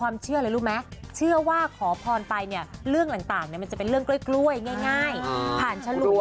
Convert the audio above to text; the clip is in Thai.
เมื่อกี้เห็นเลขไม่ใช่ชัดซึ่งคำนี้จะแจ๋วเลยคุณผู้ชม